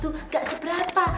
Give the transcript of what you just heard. junaid itu gak seberapa